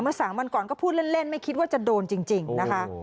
๓วันก่อนก็พูดเล่นไม่คิดว่าจะโดนจริงนะคะ